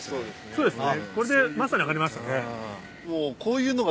そうですね